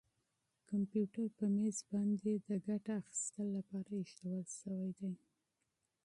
کمپیوټر په مېز باندې د استفادې لپاره اېښودل شوی دی.